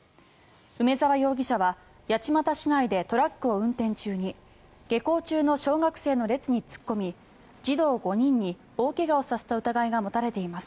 梅沢容疑者は八街市内でトラックを運転中に下校中の小学生の列に突っ込み児童５人に大怪我をさせた疑いが持たれています。